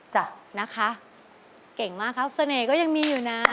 จ้ะนะคะเก่งมากครับเสน่ห์ก็ยังมีอยู่นะ